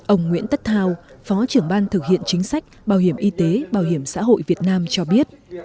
ông nguyễn tất thao phó trưởng ban thực hiện chính sách bảo hiểm y tế bảo hiểm xã hội việt nam cho biết